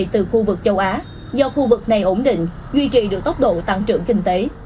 từ khu vực châu á do khu vực này ổn định duy trì được tốc độ tăng trưởng kinh tế